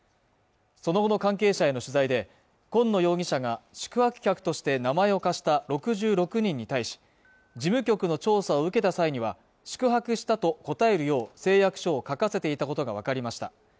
その後の関係者への取材で紺野容疑者が宿泊客として名前を貸した６６人に対し事務局の調査を受けた際には宿泊したと答えるよう誓約書を書かせていたことが分かりました